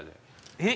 えっ？